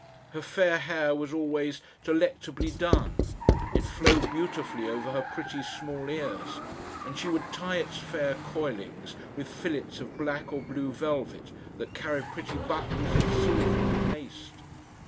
Her fair hair was always delectably done. It flowed beautifully over her pretty small ears, and she would tie its fair coilings with fillets of black or blue velvet that carried pretty buckles of silver and paste.